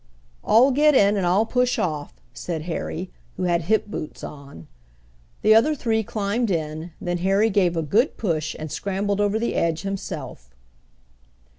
"All get in, and I'll push off," said Harry, who had hip boots on. The other three climbed in, then Harry gave a good push and scrambled over the edge himself.